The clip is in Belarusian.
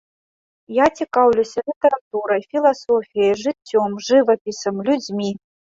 Я цікаўлюся літаратурай, філасофіяй, жыццём, жывапісам, людзьмі.